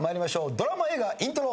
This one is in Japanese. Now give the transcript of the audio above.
ドラマ・映画イントロ。